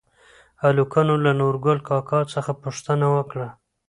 هلکانو له نورګل کاکا څخه پوښتنه وکړه؟